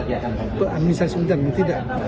atau administrasi pemerintahan tidak